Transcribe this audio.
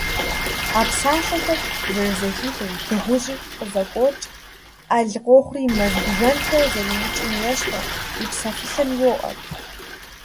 А псалъэхэр зэрызэхихыу, дыгъужьыр къызокӀуэкӀ, Ӏэл къохъури мэз бжэнхэр зэриукӀым ещхьу, и псэфылъэм йоӀэр.